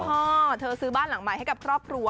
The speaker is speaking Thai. พ่อเธอซื้อบ้านหลังใหม่ให้กับครอบครัว